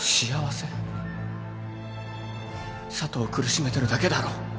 佐都を苦しめてるだけだろ。